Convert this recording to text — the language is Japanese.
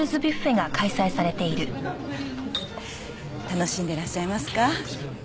楽しんでらっしゃいますか？